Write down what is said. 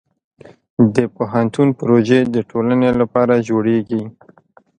د پوهنتون پروژې د ټولنې لپاره جوړېږي.